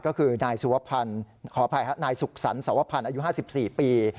ก็คือนายสุขสรรสวพพรรณอายุ๕๔ปี